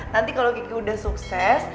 nanti kalau gigi udah sukses